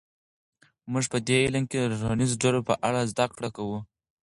موږ په دې علم کې د ټولنیزو ډلو په اړه زده کړه کوو.